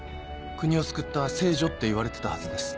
「国を救った聖女」っていわれてたはずです。